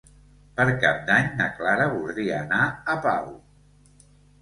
Per Cap d'Any na Clara voldria anar a Pau.